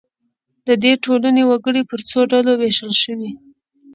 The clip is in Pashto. د دې ټولنو وګړي پر څو ډلو وېشل شوي.